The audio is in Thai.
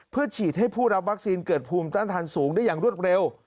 เพื่อฉีดให้ผู้รับวัคซีนเกิดภูมิต้านทานสูงได้อย่างรวดเร็ว